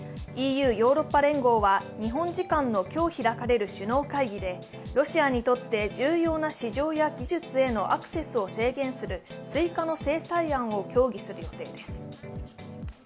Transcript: ＥＵ＝ヨーロッパ連合は日本時間の今日開かれる首脳会議で、ロシアにとって重要な市場や技術へのアクセスを制限する追加の制裁案を協議する予定です。